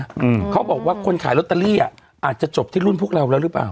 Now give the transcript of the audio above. อืมเขาบอกว่าคนขายลอตเตอรี่อ่ะอาจจะจบที่รุ่นพวกเราแล้วหรือเปล่า